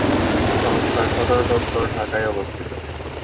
সংস্থার সদর দফতর ঢাকায় অবস্থিত।